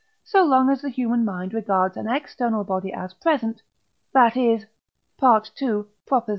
so long as the human mind regards an external body as present, that is (II.